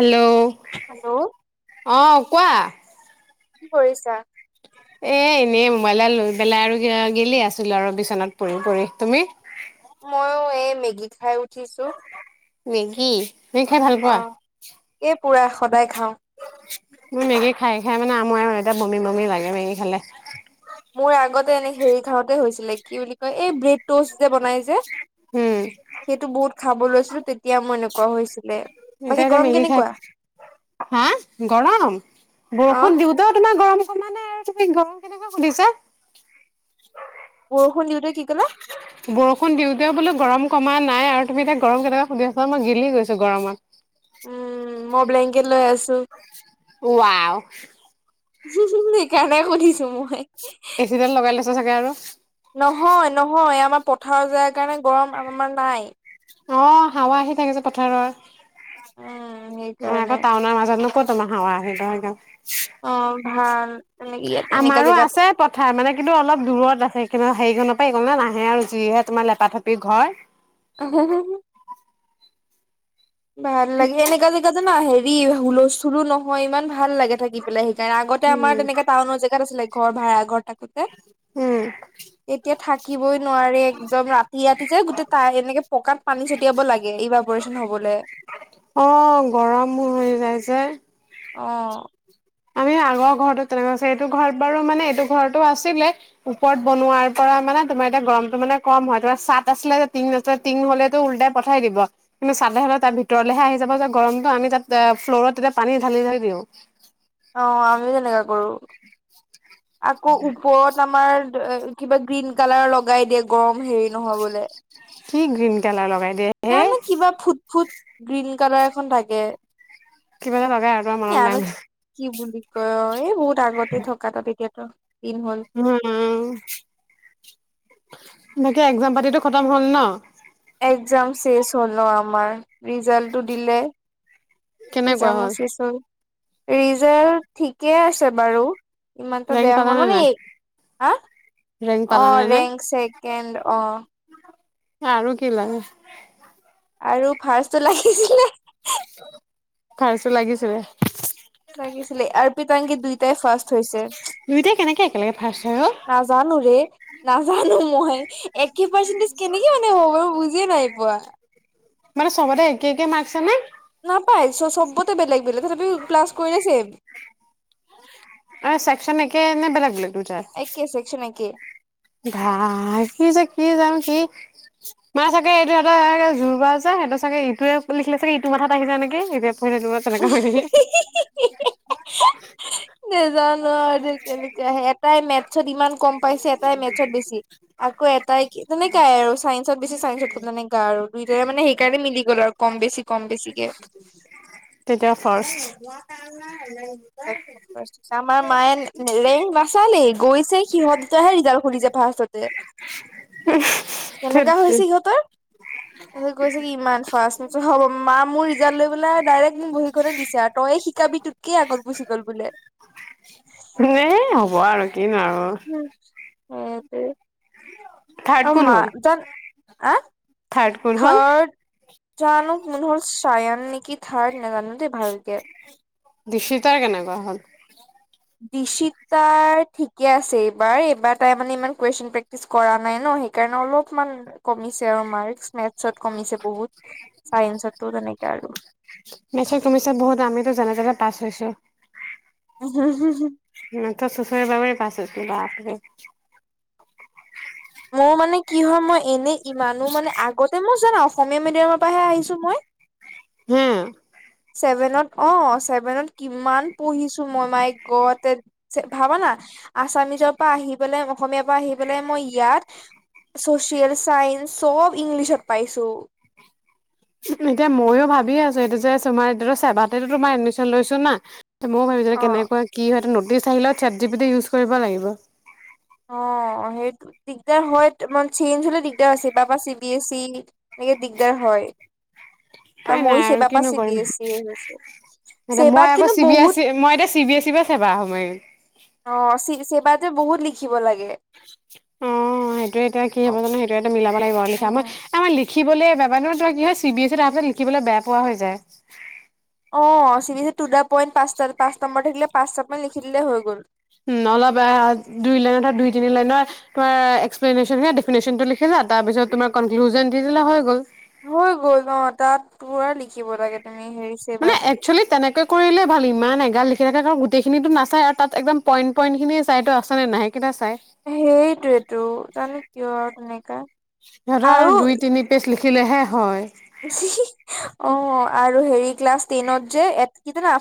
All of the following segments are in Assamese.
হেল্ল', হেল্ল' অ' কোৱা। কি কৰিছা? এ এনেই মোবাইল লৈ পেলাই আৰু গেলি আছিলো আৰু বিচনাত পৰি পৰি। তুমি? মইয়ো এই মেগী খাই উঠিছো। মেগী। মেগী খাই ভাল পোৱা? অ'। এই পুৰা সদায় খাওঁ। মেগী খাই খাই মানে আমুৱাই এতিয়া বমি বমি লাগে মেগী খালে। মোৰ আগতে এনে হেৰি খাওঁতে হৈছিলে কি বুলি কয় এই ব্ৰেড টষ্ট যে বনাই যে উম সেইটো বহুত খাব লৈছিলো তেতিয়া মই এনেক [unintelligible] এতিয়া এতিয়া মেগী খাই, হা গৰম, অ', বৰষুণ দিওঁতেই তোমাৰ গৰম মানে তুমি গৰম কেনেকুৱা সুধিছা [unintelligible] ক'লা? বৰষুণ দিওঁতে বোলে গৰম কমা নাই আৰু তুমি এতিয়া গৰম কেনেকে সুধিছা মই গেলি গৈছো গৰমত। উম, মই ব্লেনকেট লৈ আছো। উৱাও। সেইকাৰণেই সুধিছো মই। ন থাকে আৰু নহয় নহয় আমাৰ পথাৰৰ যায় কাৰণে গৰম [unintelligible] নাই। অ' হাৱা আহি থাকে যে পথাৰৰ। উম, অ' আকৌ সেইকাৰণে টাওনাৰ মাজত ন ক'ত তোমাৰ হাৱা আহিব [unintelligible] অ', ভাল তেনেকে ইয়াত এনেকা আমাৰো জেগাত আছে পথাৰ মানে কিন্তু অলপ দূৰত আছে কিন্তু হেৰি [unintelligible] নাহে আৰু যিহে তোমাৰ লেপা থেপি ঘৰ। [unintelligible] ভাল লাগে এনেকা জেগাতে না। হেৰি হুলস্থুল নহয় ইমান ভা। ভাল লাগে থাকি পেলে সেইকাৰণে আগতে আমাৰ উম, তেনেকা টাউনৰ জেগাত আছিলে। ঘৰ ভাড়া ঘৰ। [unintelligible] উম, এতিয়া থাকিবই নোৱাৰি একদম ৰাতি ৰাতি যে গোটেই তাই এনেকে পকাত পানী ছটিয়াব লাগে ইভাইপৰেচন হ'বলে। অ' গৰমো হৈ যায় যে। অ'। আমি আগৰ ঘৰত তেনেকুৱা আছি এইটো ঘৰত বাৰু মানে এইটো ঘৰতটো আছিলে ওপৰত বনোৱাৰ পৰা মানে তোমাৰ এতিয়া গৰমটো মানে কম হয় তোমাৰ চাট আছিলে যে টিং নাছিলে টিং হ'লেতটো উল্টাই পঠাই দিব, কিন্তু চাটে হ'লে তাৰ ভিতৰলেহে আহি যাব যে গৰমটো আমি তাত ফ্ল'ৰত পানী ঢালি ঢালি থৈ দিওঁ। অহ আমিও তেনেকুৱা কৰোঁ। আকৌ ওপৰত আমাৰ। কিবা গ্ৰীণ কালাৰ লগাই দিয়ে গৰম হেৰি নহ'বলে। কি গ্ৰীণ কালাৰ লগাই দিয়ে হে। জানো কিবা ফুট ফুট গ্ৰীণ কালাৰ এখন থাকে। কিবা এটা লগাই আৰু মনত নাই মানে। অহ এই বহুত। আগতে থকা তাতে। এতিয়াটো। উম। এনেকে একজাম পাতিটো খতম হ'ল নহ। একজাম চেচ হল ন আমাৰ ৰিজাল্টটো দিলে। এ এক্সামও শেষ হল। ৰিজাল্ট ঠিকেই আছে বাৰু। ইমানতো ৰেংক বেয়া পালা হোৱা নে মানে নাই? হা ৰেংক পালা নে অহ নাই? ৰেংক ছেকেণ্ড অহ। আৰু কি লাগে। আৰু ফাৰ্ষ্টটো লাগিছিলে। ফাষ্টটো লাগিছিলে। লাগিছিলে আৰু পিত। তাংকিত দুইটাই ফাৰ্ষ্ট। থৈছে দুইটাই কেনেকে একেলগে ফাৰ্ষ্ট হয় অ'? নাজানোঁ ৰে নাজানোঁ মই একে পাৰ্চেন্টেজ কেনেকে মানে হ'ব বাৰু বুজিয়ে নাই পোৱা। মানে চবতে একে একে মাৰ্ক্স আনে। নাপায় চ চবতে বেলেগ বেলেগ তথাপিও প্লাছ কৰিলে চেম। অহ চেকচন একে নে বেলেগ বেলেগ। দুইটাৰ? একে চেকচন একে। ভাই কি যে কি জাম কি মাৰ চাগে এইটো সিহঁতে যুৰ্বা যে সিহঁতৰ চাগে ইটোয়ে লিখিলে চাগে ইটো মাথাত আহি যায় নেকি এতিয়া। কৌ থাকিবা চেনেকা হয় নেকি। [inaudible] নজানো আৰু দে কেনেকে আহে এটাই মেথছত ইমান কম পাইছে এটাই মেথছ। মেথছত বেছি আকৌ এটাই তেনেকাই আৰু চাইন্সত বেছি চাইন্সত তেনেকা আৰু দুইট মানে সেইকাৰণে মিলি গল আৰু কম বেছি কম বেছিকে। তেতিয়া ফাৰ্ষ্ট। আমাৰ মায়ে ৰেংক নাচালেই গৈছে সিহঁত দুটা হে ৰিজাল্ট। আৰু সুলি জাতা আচলতে ধেত কেনেকা হৈছে তেৰি। সিহঁতৰ তাৰপিছত কৈছে কি ইমান সচ হ'ব মা মোৰ ৰিজাল্ট লৈ পেলাই ডাইৰেক্ট মোক বহিখনেই দিছে আৰু তইয়ে শিকাবি তোতকে আগত গোছি। গল বোলে। [inaudible] কিন আৰু অ এতে থাৰ্ড আৰু কোন মা হ'ল থাৰ্ড কোন হ'ল থাৰ্ড জানো চায়ান নেকি থাৰ্ড নাজানো দেই ভালকে। দিশিতাৰ কেনেকুৱা হ'ল। দিশিতাৰ ঠিকে আছে এইবাৰ এইবাৰ তাই মানে ইমান কুৱেশন প্ৰেক্টিচ কৰা নাই ন সেইকাৰণে অলপমান কমিছে আৰু ত কমিছে বহুত ছাইন্সত টো তেনেকে আৰু জাননে তেনে পাছ হৈছোঁ। মইটো শুছুৰী বাগৰী পাছ হৈছোঁ। বাপৰে মোৰ মানে কি হয় মই এনেই কিমানো মানে আগতে মই জান অসমীয়া মিডিয়ামৰ পৰাহে আহিছো মই হম! ছেভেনত অ ছেভেনত কিমান পঢ়িছো মই মাই গত ভাবানা আছামিজৰ পৰা আহি পেলাই অসমীয়াৰ পৰা আহি পেলাই মই ইয়াত ছচিয়েল চাইন্স চব ইংলিছত পাইছো। এতিয়া ময়ো ভাবি আছো, এইটো যে তোমাৰ ছেভাতেটো তোমাৰ এডমিছন লৈছো না ময়ো ভাবিছিলো অ কেনেকুৱা কি হয় নতুন। [unintelligible] ইউজ কৰিব লাগিব অ সেই দিগদাৰ হয় চেঞ্জ হলে দিগদাৰ হৈছো চি বি এছ ই এনেকে দিগদাৰ হয় উপায় মইয়ো নাই আৰু, চেবা পা কিনো চি বি কৰিম এছ ই হৈছো এ চেবাত মই আকৌ কিন্তু চি বি বহুত এছ মই এতিয়া চি বি এছিৰ পৰা ছেবা সোমাই অ ছেবা জে বহুত লিখিব লাগে। অ সেইটোয়ে এতিয়া কি অ হ'ব জানো সেইটোয়ে এটা মিলাব। উম আমাৰ লিখিব বেয়া নয় কি হয় চি বি এছি তাৰ পিছত লিখিবলৈ বেয়া পোৱা হৈ যায়। অ পইন্ট পাঁচটা পাঁচ নম্বৰ থাকিলে পাঁচটা পইন্ট লিখি দিলে হৈ গ'ল। নলবা দুই লাইনৰ দুই তিনি লাইনৰ এক্সপ্লেশন ডিফিনেছনটো লিখি যা তাৰ পিছত তোমাৰ দি দিলে গল। হৈ গ'ল অঁ তাত পুৰা লিখিব লাগে তাত মানে একচুৱেলি তেনেকৈ কৰিলে ভাল ইমান এগাল লিখি থাকে কাৰণ গোটেইখিনি নাচায় আৰু তাত একদম পইন্ট পইণ্ট খিনিয়ে চাইতো ত অবচনে নাহে সেইটোয়েটো জানো কিয় আৰু তেনে কা সিহঁতৰ আৰু দুই তিনি পেছ লিখ লিখিলেহে হয় অঁ আৰু হেৰি ক্লাছ টেনত যে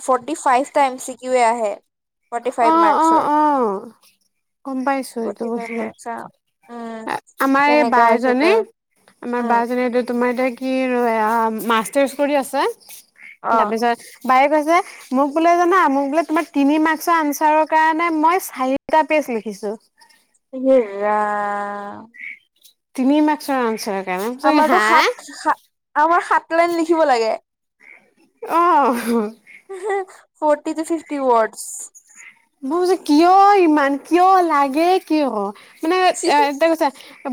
ফৰ্টি ফাইফ টা এমছি কিওএ আহে ফৰ্টি ফাইভ অঁ অঁ মাৰ্কচৰ অঁ গম পাইছো এইটো ফৰ্টি ফাইভ দিয়ে মাৰ্কচ অ উম আমাৰ এই বা তেনেকা হয় এজনী সিহঁতৰ আমাৰ উম বাজনী এইটো তোমাৰ তাইক কিৰ আঁ উম মাষ্টাৰছ কৰি আছে অ তাৰপিছত বায়ে কৈছে মোক বোলে জানা মোক বোলে তোমাৰ তিনি মাক মাৰ্কচৰ আনছাৰৰ কাৰণে মই চাৰিটা পেজ লিখিছো এ ৰাম তিনি মাক্সৰ আনছাৰ আমাৰতো সাত আমাৰ সাত লাইন লিখিব লাগে অঁ ফৰ্টি ফিফটি ওৱৰ্ডছ বুজিছোঁ কিয় ইমান কিয় লাগে কিয় মানে এটা কৈছে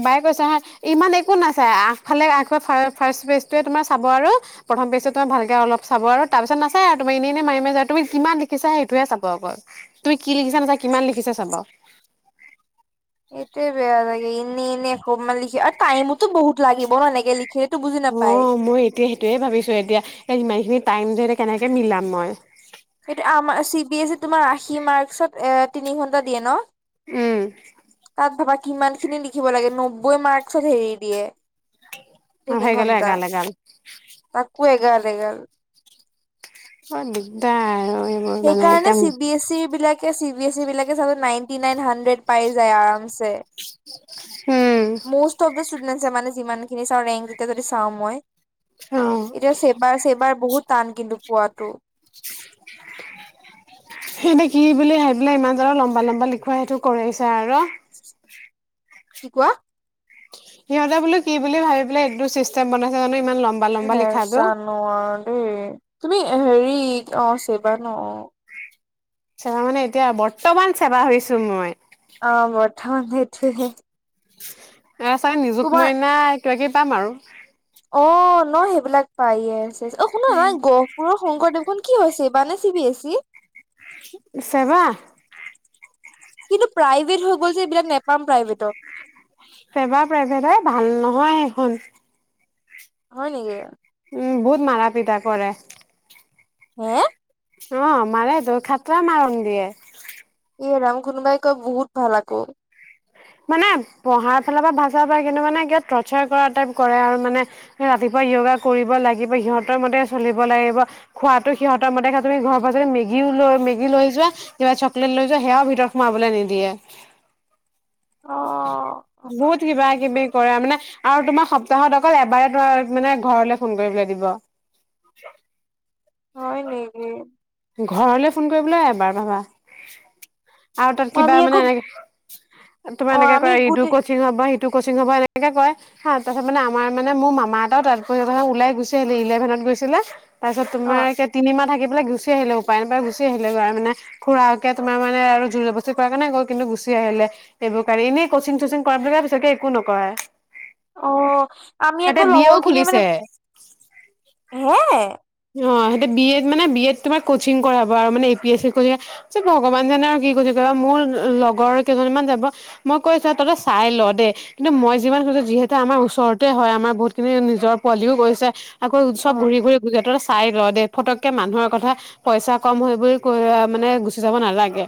বাই কৈছা হা ইমান একো নাচাই আগফালে আগ ফাৰ্ষ্টেজটোৱে তোমাৰ চাব আৰু প্ৰথম পেজটো তোমাৰ ভালকে অলপ চাব আৰু তাৰপিছত নাচায় আৰু তুমাৰ এনেই এনেই মাৰি মাৰি যা আৰু তুমি কিমান লিখিছা সেইটোহে চাব অকল তুমি কি লিখিছা নেচায় কিমান লিখিছা চাব এইটোৱেই বেয়া লাগে ইনেই এনেই এসোপামান লিখি আৰু টাইম টাইমো বহুত লাগিব ন এনেকে লিখিলে সেইটো বুজি নাপায় যিমানখিনি টাইম ধৰি কেনেকে মিলাম মই সেইটো আমাৰ চি বি এছ ই তোমাৰ আশী মাৰ্কত এ তিনি ঘন্টা দিয়ে ন উম তাত ভাবা কিমান খিনি লিখিব লাগে নব্বৈ মাৰ্কচত হেৰি দিয়ে মই তিনি হৈ গ'লো ঘণ্টা এগাল এগাল তাকো এগাল [unintelligible] অঁ দিগদাৰ আৰু এইবোৰ সেই মানে কাৰণে এতিয়া চি বি এছ ই বিলাকে বি এ চি বিলাকে চাবাচোন নাইনটি নাইন পাই যায় আৰামচে উম, মষ্ট অফ দা ষ্টুডেণ্টে মানে যিমান খিনি চাওঁ ৰেংক যেতিয়া যদি চাওঁ মই অ', এতিয়া চেবাৰ চেবাৰ বহুত টান কিন্তু পোৱাটো [unintelligible] ৰ কি কোৱা? সিহঁতে বোলো কি বুলি ভাবি পেলাই এইটো চিষ্টেম বনাইছে জানিব নেজানোৱাও দেই, তুমি হেৰি অ চেৱা ন অ চেৱা মানে এতিয়া বৰ্তমান চেবা হৈছো মই। হে হে [inaudible] এ চাগে নিজুত মইনাই কিবা কিবি পাম আৰু। অ ন সেইবিলাক পায় ইয়েচ। অ শু নাই গহপুৰৰ শংকৰদেৱখন কি হৈছে ছেবা নে চি বি এছি? চেৱা। কিন্তু প্ৰাইভেট হৈ গ'ল যে এইবিলাক নেপাম প্ৰাইভেটত ফেবা প্ৰেভেদ ভাল নহয় সেখন। হয় নেকি? উ বহুত মাৰা পিতা কৰে। [unintelligible] অ মাৰে তোৰ খাতৰা মাৰণ দিয়ে এ ৰামঘুনুমাই [unintelligible] কয় বহুত ভাল আকৌ, মানে পঢ়াৰ ফালৰ পৰা ভাচা [unintelligible] পৰা কিন্ত [unintelligible] মানে কিব ৰ্চাৰ [unintelligible] কৰা টাইপ কৰে আৰু মানে ৰাতিপুৱা যয়োগা [unintelligible] কৰিব লাগিব সিহঁতৰ মতে চলিব লাগিব খোৱাাতটো সিহঁতৰ মতে খা তুমি ঘৰৰ পৰা যদি মেগিও লৈ মেগী লৈ যোৱা কিবা চকলেট লৈ যোৱা সেয়াও ভিতৰত সোমাবলৈ নিদিয়ে অ বহত কিবা কিবি কৰেম [unintelligible] নে আৰু তোমাৰ সপ্তাহত অকল এবাৰে তোমাৰ মানে ঘৰলে ফোন কৰিবলৈ দিব। হয় নেকি? ঘৰলে ফোন কৰিবলৈ এবাৰ পাবা। [unintelligible] আৰু তাত কিবা আমি মানে আকৌ এনে তোমাৰ অ এনেকে ক আমি ইটো গোটেই কচিং হব কচিং হ'ব এনেকে কয় হ ত [unintelligible] পিছত মে আমাৰ মানে মোৰ মামা এটাও তাৰ পিছত উলাই গুছে [unintelligible] আহিলি ইলেভেনত গৈছিলে তাৰ অ পিছতোমাৰ এে [unintelligible] তিনিমাহ থাকিব গ [unintelligible] গুচি আহিলে উপায় ন উপায় গুচি আহিলে গ মানে খুৰাকে তোমাৰ মান আৰু জুৰ জবস্তি কৰা কাৰণে গল কিন্তু গুচি আহিলে এইবোৰ কাৰণে এনেই কচিং চচিং কৰাল পিতকে [unintelligible] একো নকৰে অ আমি এতিয়া আকৌ বিয়েও লগৰ খিনিয়ে মানে খুলিছে হে অ সেইটো বি এড মানে বি এড তোমাৰ কচিং কৰাব আৰু মানে এ পি এছি ক যে ভগৱান জাননে আৰু কি কৰিৈছে [unintelligible] মোৰ লগৰ কেইজনমান যাব মই কৈছ ততে চাই ল দে কিন্তু মই যিমান কৈছো যিহেতু আমাৰ ওচৰতে হয় আমাৰ বহুত খিনি নিজৰ পোৱালিও গৈছে আকৌ অ উৎব [unintelligible] ঘূৰি ঘূৰি গুজৰাটত চাই ল দে ফটককে মানুহৰ কথা পইচা কম হৈ বুলি কৈ মানে গুচি যাব নালাগে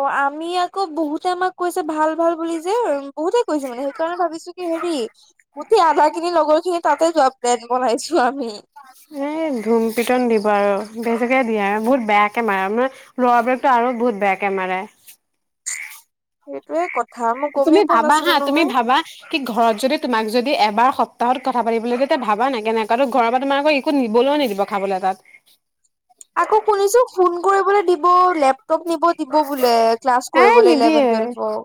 অ আমি আকৌ বহুতে আমাক কৈছে ভাল ভাল বুলি যে বহুতে কৈছে মানে সেইকাৰণে ভাবিছো কি হেৰি গোটেই আধা ন [unintelligible] লগৰখিনি তাতে যোৱা প্লেট বনাইছো আমি এই ধুম পিটন দিব আৰু বেছিকে [unintelligible] দিয়ো বহুত বেয়াকে মাৰে মানে ল'ৰাবিলাকতো আৰু বহুত বেয়াকে মাৰে, সেইটোয়ে [unintelligible] কথা মই তুমি গমেই পোৱা ভাবা নাছিলো হা তুমি নহয় ভাবা কি ঘৰত যদি তোমাক যদি এবাৰ, তাহত [unintelligible] কথা পাতিলৈ যেতিয়া ভাবা নাই কেনেকুৱ [unintelligible] তো ঘৰৰ পৰা তোমাৰ আকৌ একো নিবলৈও নিদিব খাবলৈ তাত আকৌ শুনিছো ফোন কৰিবলৈ দিব লেপ [unintelligible] এ ইলেভেন নিদিয়ে টুৱেলভৰ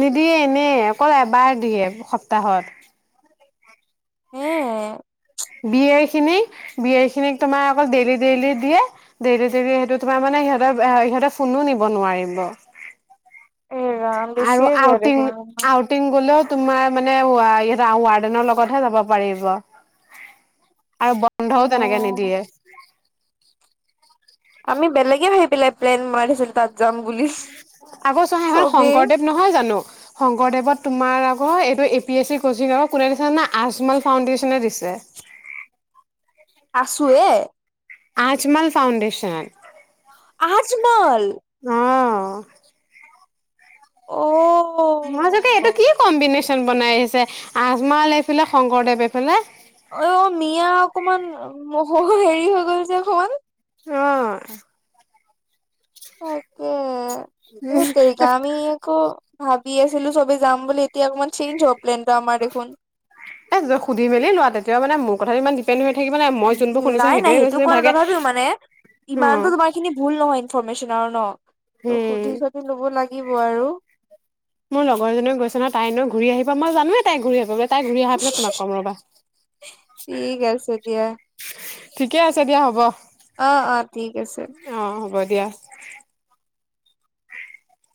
নিদিয়ে এনে অকল এবাৰ [unintelligible] সপ্তাহত উম। বি খিনিক তোমাৰ অকল ডেইলি ডেইলি দিয়ে ডেইলি ডেইলি স [unintelligible] তোমাৰ মানে সহ সহ [unintelligible] ফোনো নিব নোৱাৰম এ ৰাম আৰু বেছিয়ে বেয়া দেখোন আউটিং-আউটিং গলেও তোমাৰ মানে ৱাইড ৱাৰ্ডেনৰ লগতহে যাব পাৰিব। আৰু বন্ধও তেনেকে অ', নিদিয়ে। [inaudible] আমি বেলেগে ভাবি পেলাই প্লেন বনাই দিছিলো তাত যাম বুলি আকৌ চহা এখন চবেই শংকৰদেৱ নহয় জানো? শংকৰদেৱত তোমাৰ আ অ', এইটো A P S C coaching অক, কোনে দিছে জানা? আজমল ফাউডেশ্যনে দিছে। আছো এহে আজমাল ফাওণ্ডেশন আজ মল অ', অ', মাজতে এইটো কি কম্বিনেচন প্লেন বনাই আহিছে, আজমল এইফালে, শংকৰদেৱ এইফালে মহো হেৰি হৈ গ'ল যে অকমান অ', তাকে হেততেৰিকা আমি আকৌ ভাব দি আছিলো চবে যাম বুলি এতিয়া অকমান চেইনজ হ'ব প্লেনটো আমাৰ দেখোন। এই সুধি মেলি লোৱা তেতিয়া মানে মোক কথাটো ইমান দীপেন নাই নাই সেইটো [unintelligible] মানে, অ ইমান টো তোমাৰ এইখিনি ভুল নহয় ইনফৰ্মেচন আৰু ন', ত উম সুধি চুধি ল'ব লাগে কি বি আৰু মোৰ লগৰজনী গৈছে ন তাই এনেও ঘূৰি আহিবা, মই জানোৱে তাই ঘূৰি আহিব। তাই ঘূৰি অহা পিছত তোমাক কম ৰবা ঠিক আছে দিয়া [unintelligible] ঠিকে আছে দিয়া হ'ব। অ', -অ', ঠিক আছে। হ'ব দিয়া